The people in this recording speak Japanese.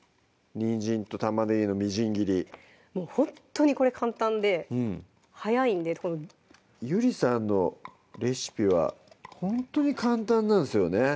にんじんと玉ねぎのみじん切りほんとにこれ簡単で早いんでゆりさんのレシピはほんとに簡単なんですよね